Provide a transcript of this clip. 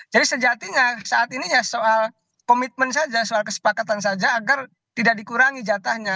jadi sejatinya saat ini ya soal komitmen saja soal kesepakatan saja agar tidak dikurangi jatahnya